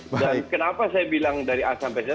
dan kenapa saya bilang dari a sampai z